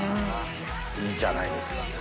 いいじゃないですか。